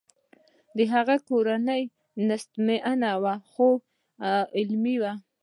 د هغه کورنۍ نیستمنه وه خو علمي وه